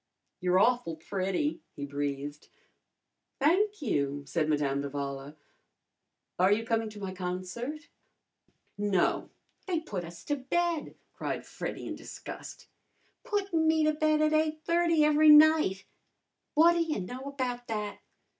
"You're awful pretty," he breathed. "Thank you," said Madame d'Avala. "Are you coming to my concert?" "No, they put us to bed!" cried Freddy in disgust. "Puttin' me to bed at 8:30 every night! What ta y' know about that!